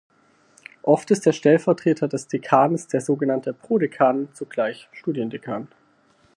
Oft ist der Stellvertreter des Dekans, der sogenannte Prodekan, zugleich Studiendekan.